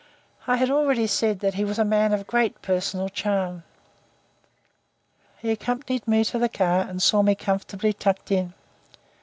I have already said that he was a man of great personal charm. He accompanied me to the car and saw me comfortably tucked in.